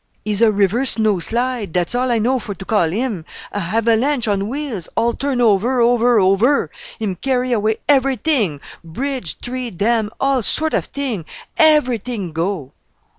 "He's a river snow slide, dat's all I know for to call him. A havalanche on wheels, all turn over over over! Him carry away everything, bridge, tree, dam all sort of thing everything go."